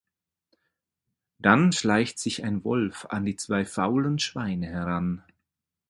Dann schleicht sich ein Wolf an die zwei faulen Schweine heran.